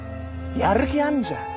やる気あんじゃん。